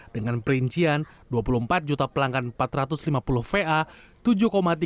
dengan perincian dua puluh empat juta pelanggan empat ratus lima puluh va